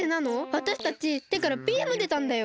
わたしたちてからビームでたんだよ？